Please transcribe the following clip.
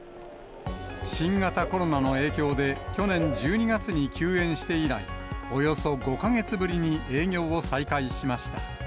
新型コロナの影響で、去年１２月に休園して以来、およそ５か月ぶりに営業を再開しました。